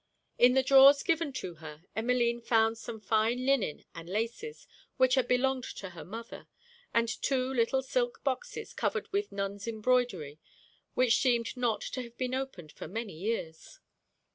In the drawers given to her, Emmeline found some fine linen and laces, which had belonged to her mother; and two little silk boxes covered with nuns embroidery, which seemed not to have been opened for many years.